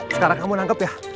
sekarang kamu nangkep ya